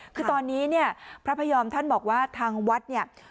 คือตอนนี้พระพยอมท่านบอกว่าทางวัด